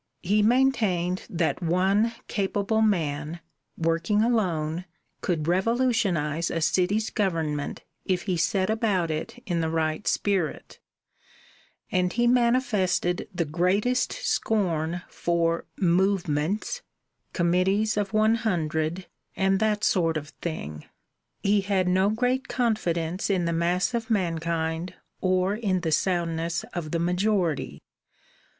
He maintained that one capable man, working alone, could revolutionize a city's government if he set about it in the right spirit; and he manifested the greatest scorn for 'movements,' committees of one hundred, and that sort of thing. He had no great confidence in the mass of mankind or in the soundness of the majority.